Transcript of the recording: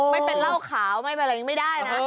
ไม่เป็นเหล้าขาวไม่ได้นะ